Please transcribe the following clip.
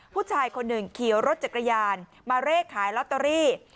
ผู้ชายคนหนึ่งขี่รถจักรยานมาเลขขายลอตเตอรี่